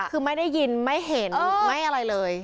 คือไม่ได้ยินไม่เห็นไม่อะไรเลย